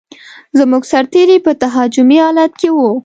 زموږ سرتېري په تهاجمي حالت کې و.